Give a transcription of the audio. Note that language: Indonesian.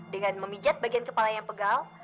dengan memijat bagian kepala yang pegal